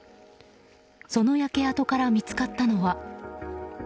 その焼け跡から見つかったのは。